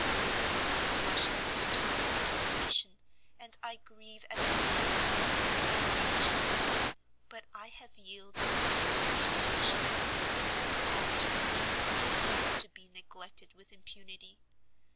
I blush at this tardy recantation, and I grieve at the disappointment it may occasion you; but I have yielded to the exhortations of an inward monitor, who is never to be neglected with impunity.